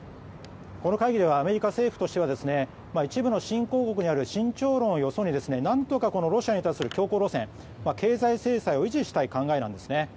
この会議ではアメリカは一部の新興国の中である慎重論をよそにロシアに対する強硬路線、経済制裁を維持したい考えなんですね。